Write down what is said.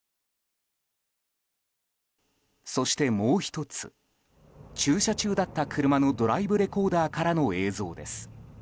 そして、もう１つ駐車中だった車のドライブレコーダーからの映像です。